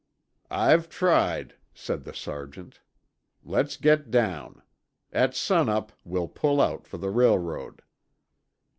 "I've tried," said the sergeant. "Let's get down. At sun up we'll pull out for the railroad."